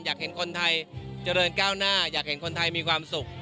อยากเห็นคนไทยเจริญก้าวหน้าอยากเห็นคนไทยมีความสุข